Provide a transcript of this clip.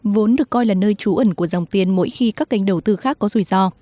vốn được coi là nơi trú ẩn của dòng tiền mỗi khi các kênh đầu tư khác có rủi ro